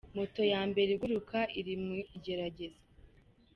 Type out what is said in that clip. Moto ya mbere iguruka iri mu igeragezwa